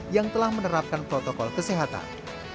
yang telah menerapkan protokol kesehatan